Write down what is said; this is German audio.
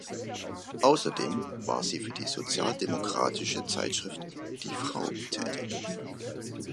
Außerdem war sie für die sozialdemokratische Zeitschrift Die Frau tätig.